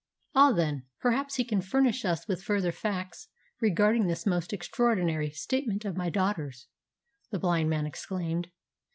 "Ah, then, perhaps he can furnish us with further facts regarding this most extraordinary statement of my daughter's," the blind man exclaimed.